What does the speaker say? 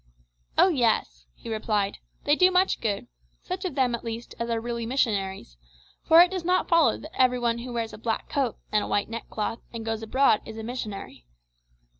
"Oh yes," he replied, "they do much good, such of them at least as really are missionaries; for it does not follow that every one who wears a black coat and white neck cloth, and goes abroad, is a missionary.